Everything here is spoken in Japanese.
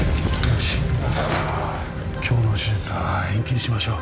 今日の手術は延期にしましょう。